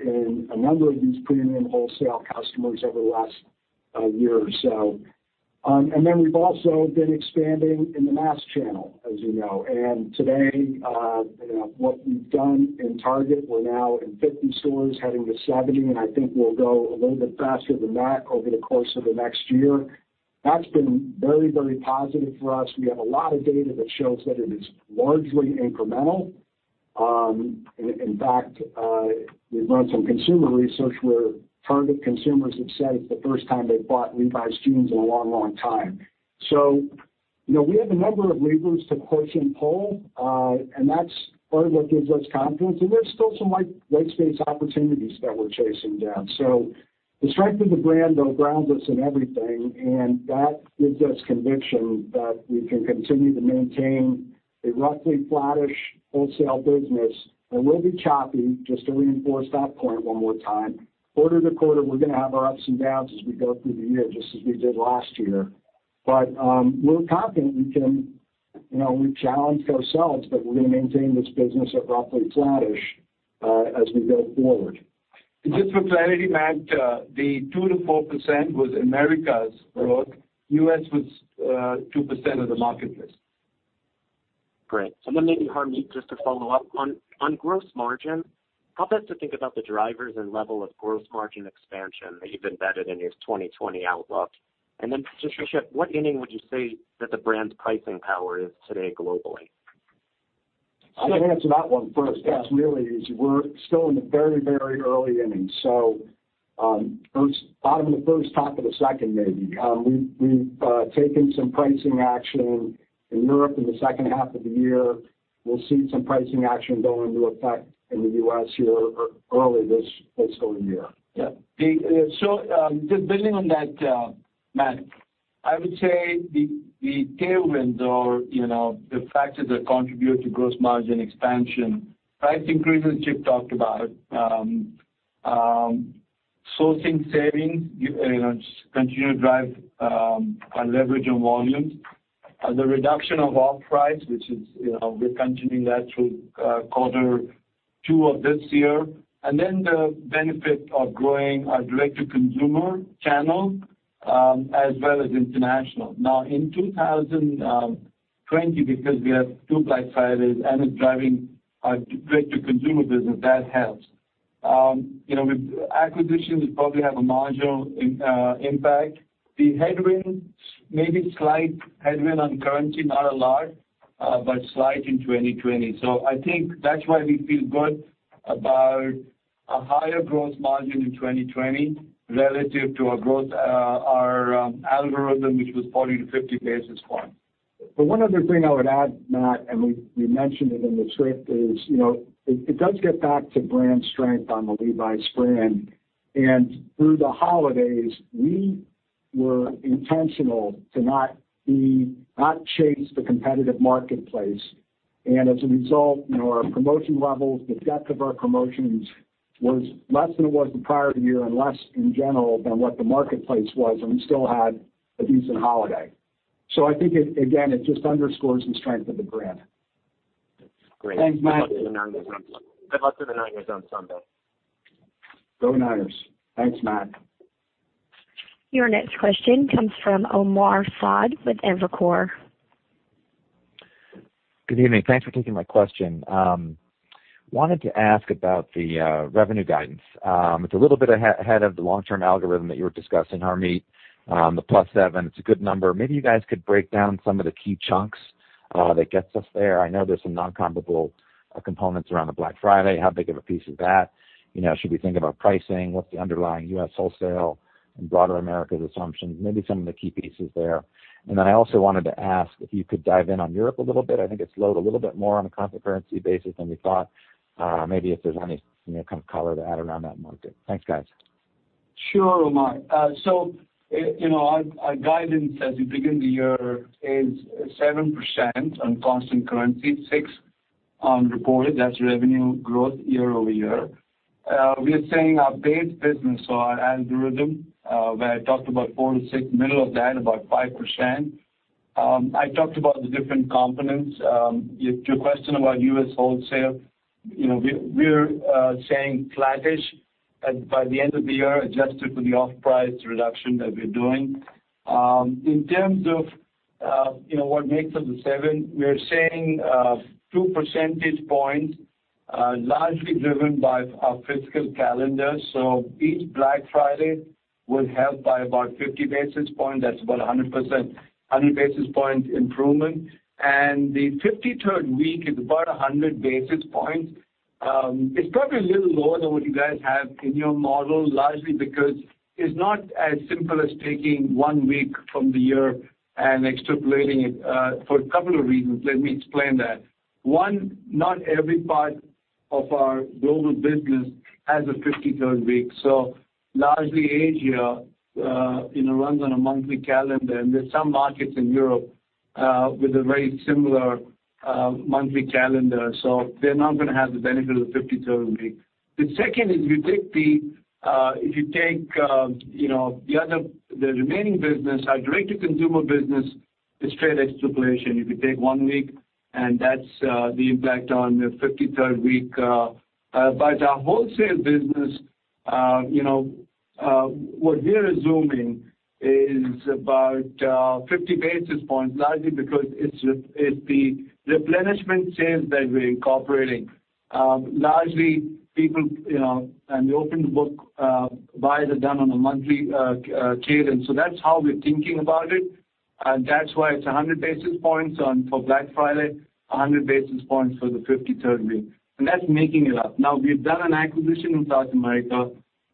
in one of these premium wholesale customers over the last year or so. Then we've also been expanding in the mass channel, as you know. Today, what we've done in Target, we're now in 50 stores heading to 70, and I think we'll go a little bit faster than that over the course of the next year. That's been very positive for us. We have a lot of data that shows that it is largely incremental. In fact, we've run some consumer research where Target consumers have said it's the first time they've bought Levi's jeans in a long time. We have a number of levers to push and pull, and that's part of what gives us confidence. There's still some white space opportunities that we're chasing down. The strength of the brand, though, grounds us in everything, and that gives us conviction that we can continue to maintain a roughly flattish wholesale business. We'll be choppy, just to reinforce that point one more time. Quarter to quarter, we're going to have our ups and downs as we go through the year, just as we did last year. We're confident we've challenged ourselves that we're going to maintain this business at roughly flattish as we go forward. Just for clarity, Matt, the 2%-4% was America's growth. U.S. was 2% of the marketplace. Great. Maybe Harmit, just to follow up. On gross margin, how best to think about the drivers and level of gross margin expansion that you've embedded in your 2020 outlook? Just for Chip, what inning would you say that the brand's pricing power is today globally? I can answer that one first. That's really easy. We're still in the very early innings. Bottom of the first, top of the second, maybe. We've taken some pricing action in Europe in the second half of the year. We'll see some pricing action go into effect in the U.S. here early this fiscal year. Yeah. Depending on that, Matt, I would say the tailwinds or the factors that contribute to gross margin expansion: price increases Chip talked about. Sourcing savings continue to drive our leverage on volumes. The reduction of off-price, which we're continuing that through quarter two of this year, the benefit of growing our direct-to-consumer channel, as well as international. In 2020, because we have two Black Fridays and it's driving our direct-to-consumer business, that helps. With acquisitions, we probably have a marginal impact. The headwind, maybe slight headwind on currency, not a lot, but slight in 2020. I think that's why we feel good about a higher gross margin in 2020 relative to our algorithm, which was 40-50 basis points. One other thing I would add, Matt, and we mentioned it in the script is, it does get back to brand strength on the Levi's brand. Through the holidays, we were intentional to not chase the competitive marketplace. As a result, our promotion levels, the depth of our promotions was less than it was the prior year and less in general than what the marketplace was, and we still had a decent holiday. I think, again, it just underscores the strength of the brand. Great. Thanks, Matt. Good luck to the Niners on Sunday. Go, Niners. Thanks, Matt. Your next question comes from Omar Saad with Evercore. Good evening. Thanks for taking my question. Wanted to ask about the revenue guidance. It's a little bit ahead of the long-term algorithm that you were discussing, Harmit, the +7%. It's a good number. You guys could break down some of the key chunks that gets us there. I know there's some non-comparable components around the Black Friday. How big of a piece is that? Should we think about pricing? What's the underlying U.S. wholesale and broader Americas assumptions? Some of the key pieces there. I also wanted to ask if you could dive in on Europe a little bit. I think it slowed a little bit more on a constant currency basis than we thought. If there's any kind of color to add around that market. Thanks, guys. Sure, Omar. Our guidance as we begin the year is 7% on constant currency, six on reported. That's revenue growth year-over-year. We are saying our base business or our algorithm, where I talked about four to six, middle of that, about 5%. I talked about the different components. To your question about U.S. wholesale, we're saying flattish by the end of the year, adjusted for the off-price reduction that we're doing. In terms of what makes up the 7%, we're saying two percentage points, largely driven by our fiscal calendar. Each Black Friday will help by about 50 basis points, that's about 100 basis points improvement, and the 53rd week is about 100 basis points. It's probably a little lower than what you guys have in your model, largely because it's not as simple as taking one week from the year and extrapolating it, for a couple of reasons. Let me explain that. One, not every part of our global business has a 53rd week. Largely Asia runs on a monthly calendar, and there's some markets in Europe with a very similar monthly calendar. They're not going to have the benefit of the 53rd week. The second is if you take the remaining business, our direct-to-consumer business is straight extrapolation. If you take one week, and that's the impact on the 53rd week. Our wholesale business, what we are assuming is about 50 basis points, largely because it's the replenishment sales that we're incorporating. Largely, people, and the open book buys are done on a monthly cadence. That's how we're thinking about it, and that's why it's 100 basis points for Black Friday, 100 basis points for the 53rd week. That's making it up. Now, we've done an acquisition in South America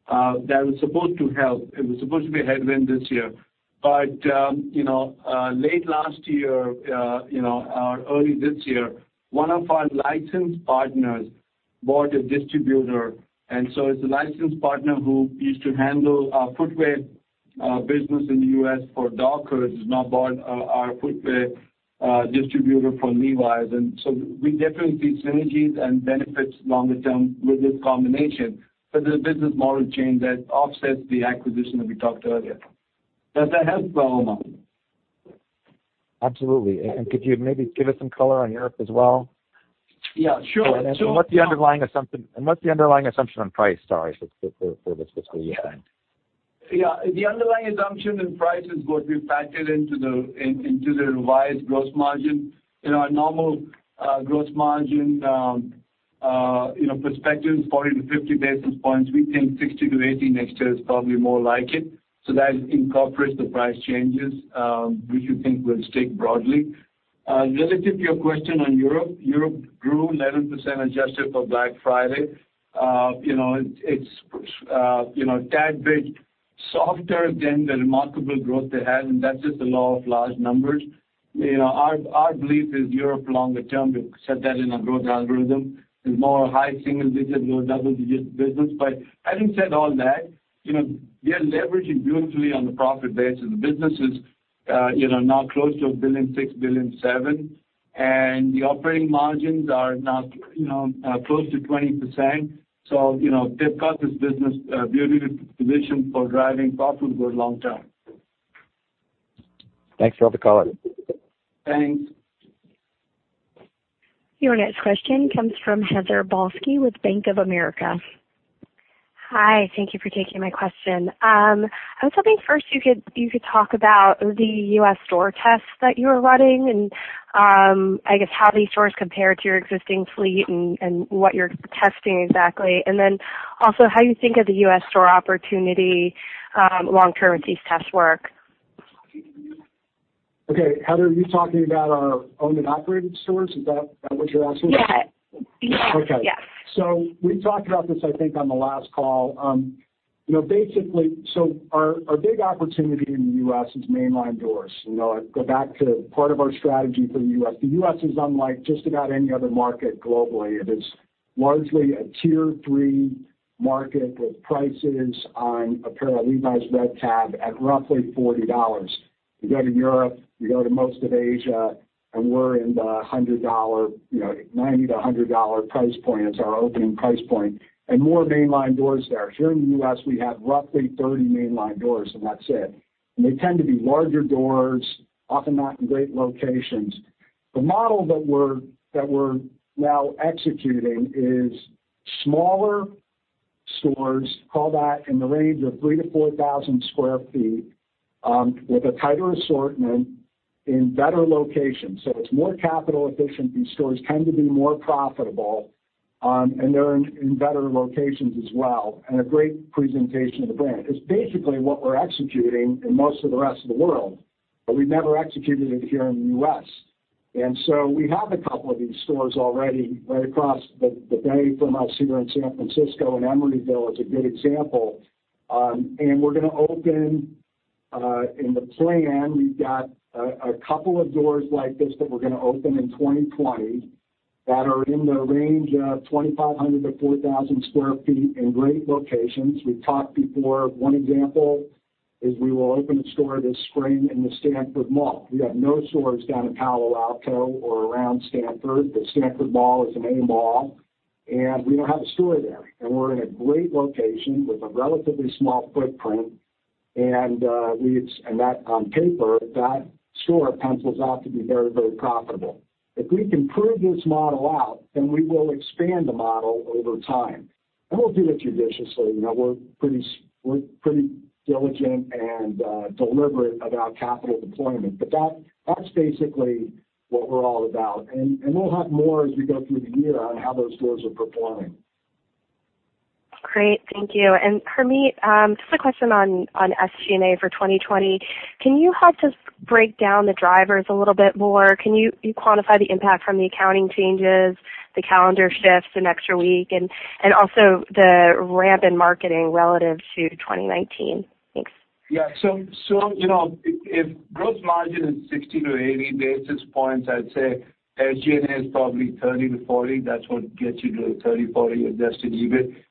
that was supposed to help. It was supposed to be a headwind this year. Late last year, or early this year, one of our licensed partners bought a distributor. It's a licensed partner who used to handle our footwear business in the U.S. for Dockers has now bought our footwear distributor for Levi's. We definitely see synergies and benefits longer term with this combination. There's a business model change that offsets the acquisition that we talked earlier. Does that help you out, Omar? Absolutely. Could you maybe give us some color on Europe as well? Yeah, sure. What's the underlying assumption on price, sorry, for the fiscal year? The underlying assumption and price is what we factored into the revised gross margin. In our normal gross margin perspective, 40-50 basis points. We think 60-80 next year is probably more like it. That incorporates the price changes, which we think will stick broadly. Relative to your question on Europe grew 11% adjusted for Black Friday. It's a tad bit softer than the remarkable growth they had, and that's just the law of large numbers. Our belief is Europe longer term, we set that in our growth algorithm, is more high single digits, low double digits business. We are leveraging beautifully on the profit base and the business is now close to $1.6 billion-$1.7 billion, and the operating margins are now close to 20%. They've got this business beautifully positioned for driving profit over the long term. Thanks for the color. Thanks. Your next question comes from Heather Balsky with Bank of America. Hi. Thank you for taking my question. I was hoping first you could talk about the U.S. store tests that you are running and, I guess how these stores compare to your existing fleet and what you're testing exactly. Then also how you think of the U.S. store opportunity long term if these tests work. Okay. Heather, are you talking about our owned and operated stores? Is that what you're asking? Yeah. Okay. Yeah. We talked about this, I think, on the last call. Basically, our big opportunity in the U.S. is mainline doors. Go back to part of our strategy for the U.S. The U.S. is unlike just about any other market globally. It is largely a Tier 3 market with prices on a pair of Levi's Red Tab at roughly $40. You go to Europe, you go to most of Asia, we're in the $90-$100 price point as our opening price point, and more mainline doors there. Here in the U.S., we have roughly 30 mainline doors, and that's it. They tend to be larger doors, often not in great locations. The model that we're now executing is smaller stores, call that in the range of 3,000-4,000 sq ft, with a tighter assortment in better locations. It's more capital efficient. These stores tend to be more profitable, and they're in better locations as well, and a great presentation of the brand. It's basically what we're executing in most of the rest of the world, but we've never executed it here in the U.S. We have a couple of these stores already right across the bay from us here in San Francisco in Emeryville. It's a good example. We're going to open, in the plan, we've got a couple of doors like this that we're going to open in 2020 that are in the range of 2,500-4,000 sq ft in great locations. We've talked before. One example is we will open a store this spring in the Stanford Mall. We have no stores down in Palo Alto or around Stanford. The Stanford Mall is an A mall, and we don't have a store there. We're in a great location with a relatively small footprint and on paper, that store pencils out to be very, very profitable. If we can prove this model out, then we will expand the model over time, and we'll do it judiciously. We're pretty diligent and deliberate about capital deployment. That's basically what we're all about. We'll have more as we go through the year on how those stores are performing. Great. Thank you. Harmit, just a question on SG&A for 2020. Can you help just break down the drivers a little bit more? Can you quantify the impact from the accounting changes, the calendar shifts, an extra week, and also the ramp in marketing relative to 2019? Thanks. Yeah. If gross margin is 60 to 80 basis points, I'd say SG&A is probably 30 to 40. That's what gets you to a 30, 40 Adjusted EBIT.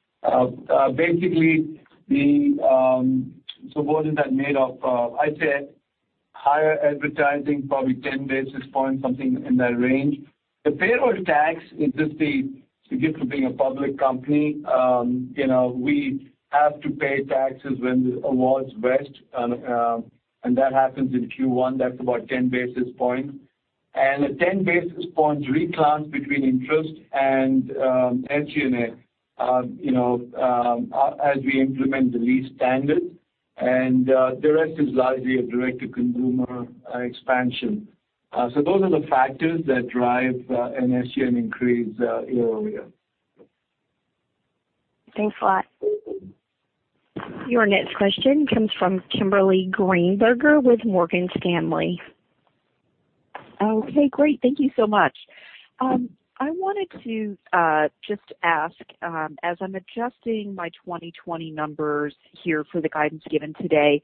Basically, what is that made of? I'd say higher advertising, probably 10 basis points, something in that range. The payroll tax is just the gift of being a public company. We have to pay taxes when the awards vest, and that happens in Q1. That's about 10 basis points. And 10 basis point reclass between interest and SG&A as we implement the lease standard. The rest is largely a direct to consumer expansion. Those are the factors that drive an SG&A increase year-over-year. Thanks a lot. Your next question comes from Kimberly Greenberger with Morgan Stanley. Okay, great. Thank you so much. I wanted to just ask, as I'm adjusting my 2020 numbers here for the guidance given today,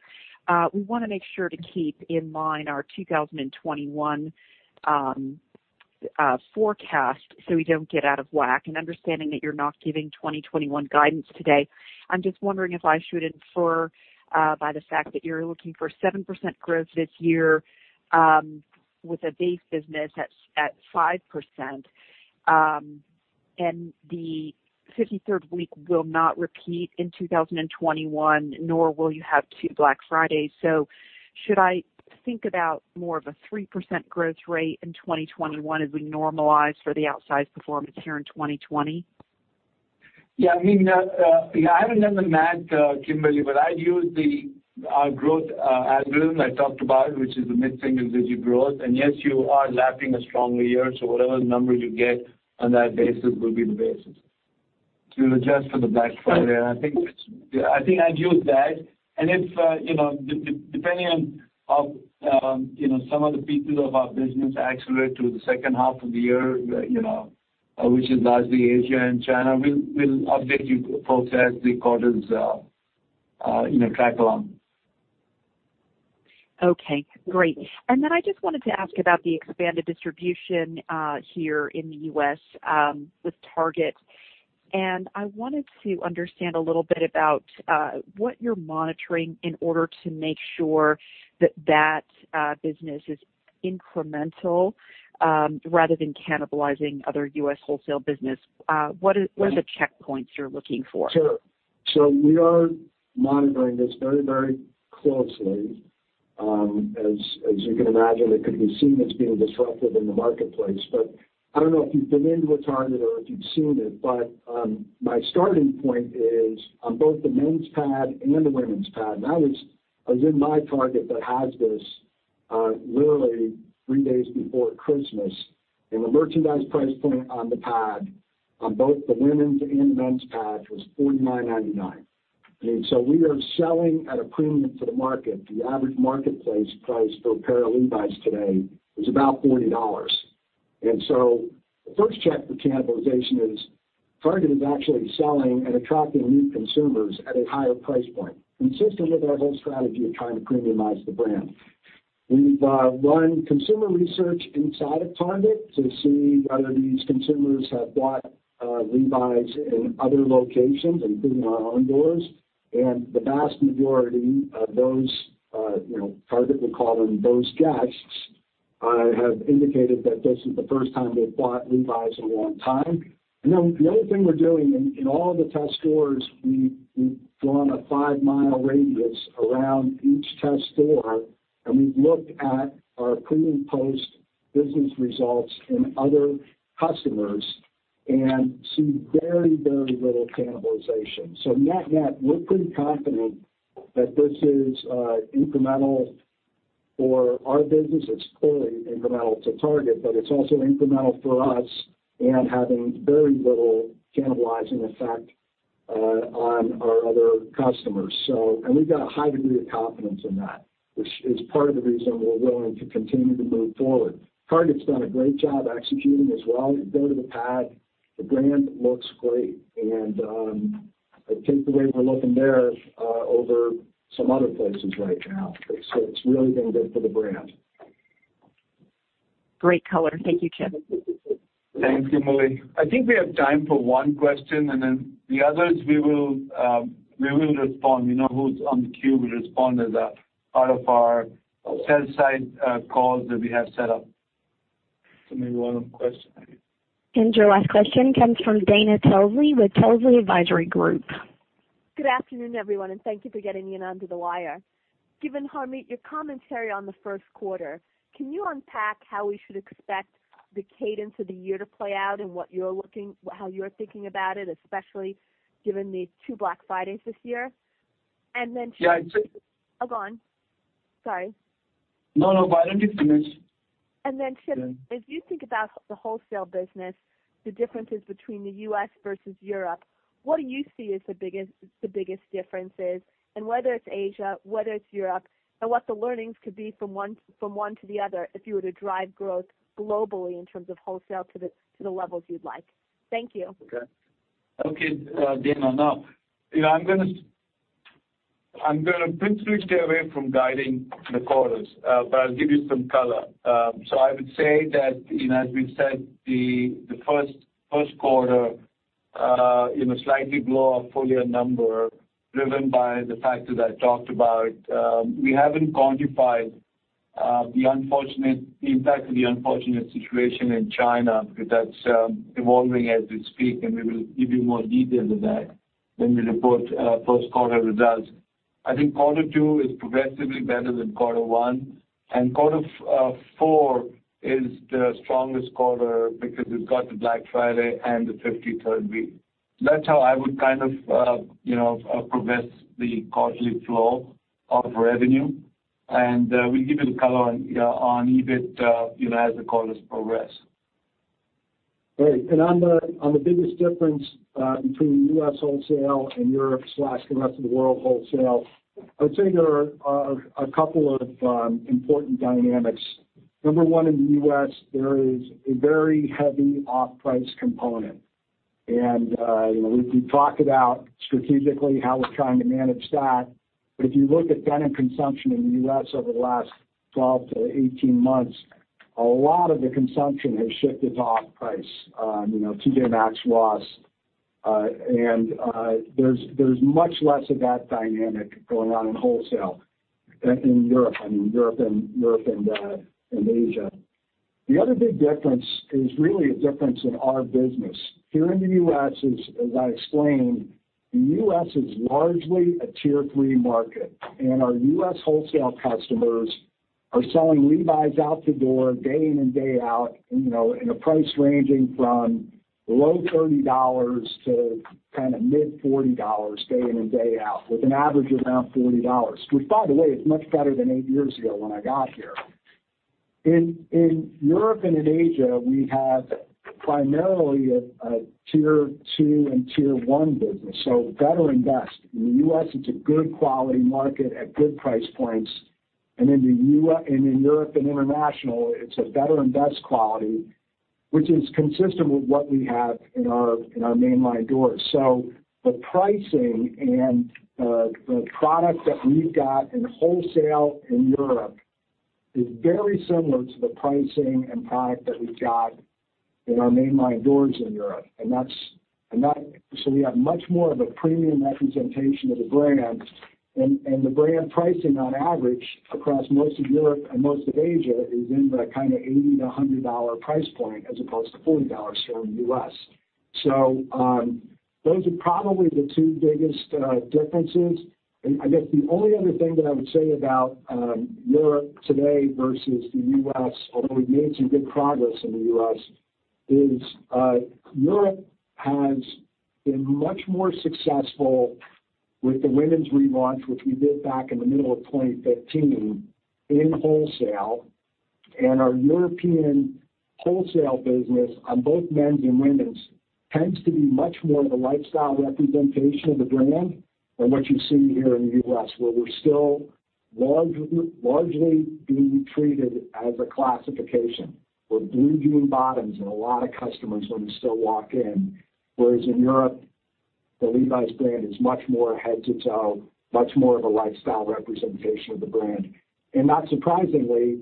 we want to make sure to keep in mind our 2021 forecast so we don't get out of whack. Understanding that you're not giving 2021 guidance today, I'm just wondering if I should infer by the fact that you're looking for 7% growth this year with a base business at 5%, and the 53rd week will not repeat in 2021, nor will you have two Black Fridays. Should I think about more of a 3% growth rate in 2021 as we normalize for the outsized performance here in 2020? I mean, I haven't done the math, Kimberly, but I'd use the growth algorithm I talked about, which is the mid-single digit growth. Yes, you are lapping a stronger year, so whatever number you get on that basis will be the basis. You'll adjust for the Black Friday. I think I'd use that. If, depending on some of the pieces of our business accelerate through the second half of the year, which is largely Asia and China, we'll update you folks as the quarters track along. Okay, great. I just wanted to ask about the expanded distribution here in the U.S. with Target. I wanted to understand a little bit about what you're monitoring in order to make sure that business is incremental rather than cannibalizing other U.S. wholesale business. What are the checkpoints you're looking for? Sure. We are monitoring this very closely. As you can imagine, it could be seen as being disruptive in the marketplace. I don't know if you've been into a Target or if you've seen it, but my starting point is on both the men's pad and the women's pad, and I was in my Target that has this literally three days before Christmas, and the merchandise price point on the pad on both the women's and men's pad was $49.99. We are selling at a premium to the market. The average marketplace price for a pair of Levi's today is about $40. The first check for cannibalization is Target is actually selling and attracting new consumers at a higher price point, consistent with our whole strategy of trying to premiumize the brand. We've run consumer research inside of Target to see whether these consumers have bought Levi's in other locations, including our own doors. The vast majority of those, Target would call them those guests, have indicated that this is the first time they've bought Levi's in a long time. The other thing we're doing in all the test stores, we've drawn a five-mile radius around each test store, and we've looked at our pre and post business results in other customers and see very little cannibalization. Net, we're pretty confident that this is incremental for our business. It's clearly incremental to Target, but it's also incremental for us and having very little cannibalizing effect on our other customers. We've got a high degree of confidence in that, which is part of the reason we're willing to continue to move forward. Target's done a great job executing as well. You go to the pad, the brand looks great. I think the way we're looking there over some other places right now. It's really been good for the brand. Great color. Thank you, Chip. Thank you, Kimberly. I think we have time for one question, and then the others we will respond. You know who's on the queue. We'll respond as a part of our sell side calls that we have set up. Maybe one question. Your last question comes from Dana Telsey with Telsey Advisory Group. Good afternoon, everyone, and thank you for getting in under the wire. Given, Harmit, your commentary on the first quarter, can you unpack how we should expect the cadence of the year to play out and how you're thinking about it, especially given the two Black Fridays this year? Yeah. Go on. Sorry. No, why don't you finish? Then Chip, as you think about the wholesale business, the differences between the U.S. versus Europe, what do you see as the biggest differences? Whether it's Asia, whether it's Europe, and what the learnings could be from one to the other, if you were to drive growth globally in terms of wholesale to the levels you'd like. Thank you. Okay, Dana. I'm going to principally stay away from guiding the quarters, but I'll give you some color. I would say that as we've said, the first quarter slightly below our full year number driven by the factors I talked about. We haven't quantified the impact of the unfortunate situation in China because that's evolving as we speak, and we will give you more details of that when we report first quarter results. I think quarter two is progressively better than quarter one, and quarter four is the strongest quarter because it's got the Black Friday and the 53rd week. That's how I would progress the quarterly flow of revenue. We'll give you the color on EBIT as the quarters progress. Great. On the biggest difference between U.S. wholesale and Europe/the rest of the world wholesale, I would say there are two important dynamics. Number one, in the U.S., there is a very heavy off-price component. We've talked about strategically how we're trying to manage that. If you look at denim consumption in the U.S. over the last 12-18 months, a lot of the consumption has shifted off-price. T.J. Maxx, Ross. There's much less of that dynamic going on in wholesale than in Europe and Asia. The other big difference is really a difference in our business. Here in the U.S., as I explained, the U.S. is largely a Tier 3 market, and our U.S. wholesale customers are selling Levi's out the door day in and day out in a price ranging from low $30 to mid $40 day in and day out, with an average around $40, which, by the way, is much better than eight years ago when I got here. In Europe and in Asia, we have primarily a Tier 2 and Tier 1 business. Better and best. In the U.S., it's a good quality market at good price points. In Europe and international, it's a better and best quality. Which is consistent with what we have in our mainline doors. The pricing and the product that we've got in wholesale in Europe is very similar to the pricing and product that we've got in our mainline doors in Europe. We have much more of a premium representation of the brand. The brand pricing, on average, across most of Europe and most of Asia, is in the $80-$100 price point as opposed to $40 here in the U.S. Those are probably the two biggest differences. I guess the only other thing that I would say about Europe today versus the U.S., although we've made some good progress in the U.S., is Europe has been much more successful with the women's relaunch, which we did back in the middle of 2015 in wholesale. Our European wholesale business on both men's and women's tends to be much more of a lifestyle representation of the brand than what you see here in the U.S., where we're still largely being treated as a classification. We're blue jean bottoms in a lot of customers' when we still walk in. Whereas in Europe, the Levi's brand is much more a head-to-toe, much more of a lifestyle representation of the brand. Not surprisingly,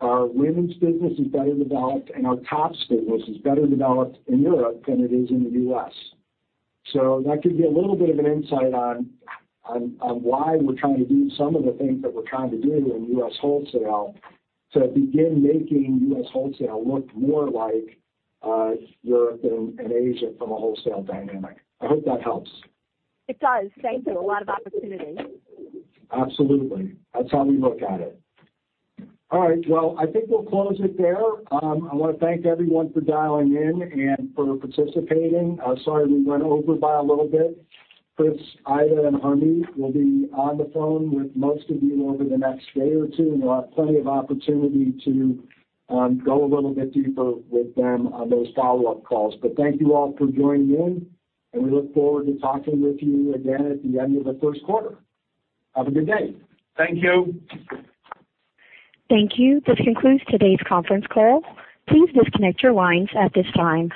our women's business is better developed and our tops business is better developed in Europe than it is in the U.S. That could be a little bit of an insight on why we're trying to do some of the things that we're trying to do in U.S. wholesale to begin making U.S. wholesale look more like Europe and Asia from a wholesale dynamic. I hope that helps. It does. Thank you. A lot of opportunity. Absolutely. That's how we look at it. All right. Well, I think we'll close it there. I want to thank everyone for dialing in and for participating. Sorry, we went over by a little bit. Chris, Aida, and Harmit will be on the phone with most of you over the next day or two, and you'll have plenty of opportunity to go a little bit deeper with them on those follow-up calls. Thank you all for joining in, and we look forward to talking with you again at the end of the first quarter. Have a good day. Thank you. Thank you. This concludes today's conference call. Please disconnect your lines at this time.